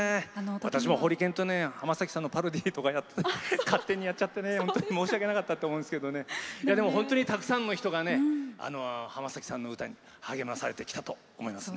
私もホリケンと浜崎さんのパロディーとか勝手にやっちゃってね申し訳なかったですけどでも、本当にたくさんの人が浜崎さんの歌に励まされてきたと思いますね。